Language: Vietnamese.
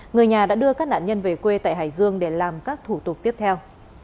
người nhà đã đưa các nạn nhân về quê tại hải dương để làm các thủ tục tiếp theo